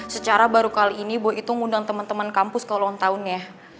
secara baru kali ini boy itu ngundang temen temen kampus ke ulang tahunnya